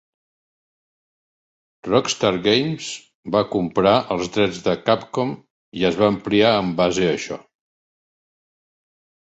Rockstar Games va comprar els drets de Capcom i es va ampliar en base a això.